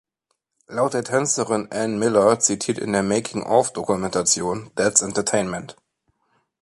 Laut der Tänzerin Ann Miller, zitiert in der „Making-of“-Dokumentation „That's Entertainment!